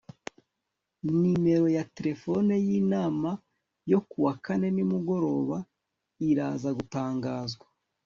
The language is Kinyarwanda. numero ya terefone yinama yo kuwa kane nimugoroba iraza gutangwa